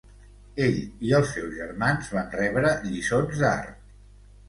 Ell i els seus germans van rebre lliçons d"art.